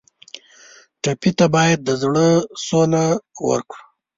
ټپي ته باید د زړه سوله ورکړو.